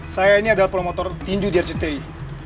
saya ini adalah promotor tinju di rcti